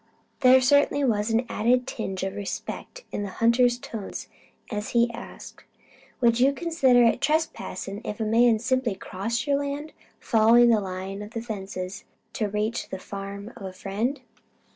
There certainly was an added tinge of respect in the hunter's tones as he asked: "Would you consider it trespass if a man simply crossed your land, following the line of the fences to reach the farm of a friend?"